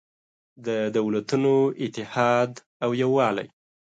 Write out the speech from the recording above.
د دولتونو اتحاد او یووالی